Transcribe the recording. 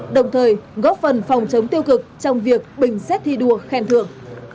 đồng thời góp phần phòng chống tiêu cực trong việc bình xét thi đua khen thưởng